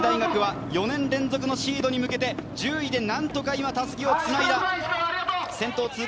國學院大學は４年連続のシードに向けて１０位で何とか襷をつないだ。